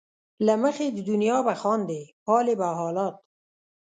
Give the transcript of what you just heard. له مخې د دنیا به خاندې ،پالې به حالات